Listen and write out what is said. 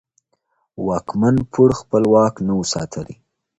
واکمن پوړ خپل واک نه و ساتلی.